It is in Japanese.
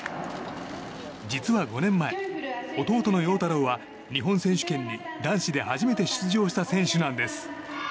実は５年前、弟の陽太郎は日本選手権に男子で初めて出場した選手なんです。